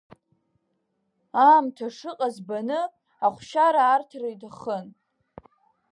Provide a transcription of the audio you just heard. Аамҭа шыҟаз баны ахәшьара арҭар иҭахын.